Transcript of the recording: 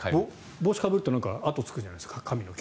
帽子かぶると跡がつくじゃないですか髪の毛。